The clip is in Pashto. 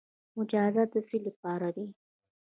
مجازات د څه لپاره دي؟